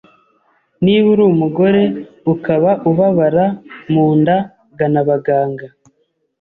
Niba uri umugore ukaba ubabara munda gana abaganga